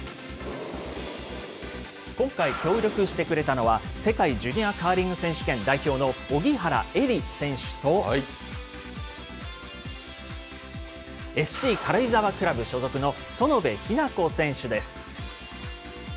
今回、協力してくれたのは、世界ジュニアカーリング選手権代表の荻原詠理選手と、ＳＣ軽井沢クラブ所属の園部日向子選手です。